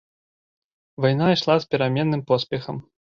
Вайна ішла з пераменным поспехам.